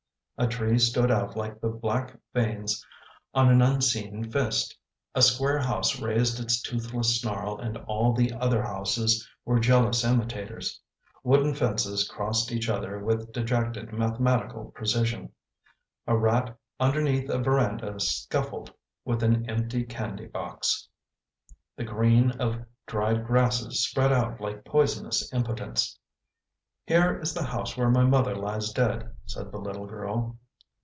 A tree stood out like the black veins on an unseen fist A square house raised its toothless snarl and all the other houses were jealous imitators. Wooden fences crossed each other with dejected, mathematical precision. A rat underneath a veranda scuffled with an empty candy box. The green of dried grasses spread out like poisonous impotence. " Here is the house where my mother lies dead/' said the little girl.